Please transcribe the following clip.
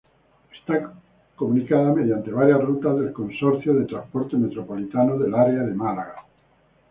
Está comunicada mediante varias rutas del Consorcio de Transporte Metropolitano del Área de Málaga.